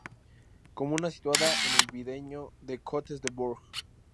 Comuna situada en el viñedo de Côtes-de-Bourg.